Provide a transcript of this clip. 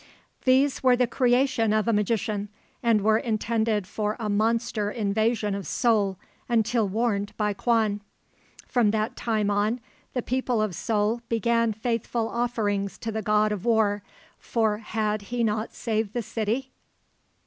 These were the creation of a magician, and were intended for a monster invasion of Seoul, until warned by Kwan. From that time on the people of Seoul began faithful offerings to the God of War, for had he not saved the city?